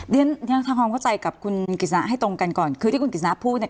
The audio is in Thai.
เรียนทำความเข้าใจกับคุณกิจสนะให้ตรงกันก่อนคือที่คุณกิจสนะพูดเนี่ย